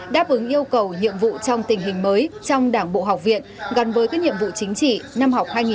đáp ứng yêu cầu nhiệm vụ trong tình hình mới trong đảng bộ học viện gần với các nhiệm vụ chính trị